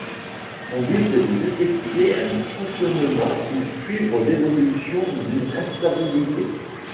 Son but est de détecter un dysfonctionnement ou suivre l'évolution d'une instabilité.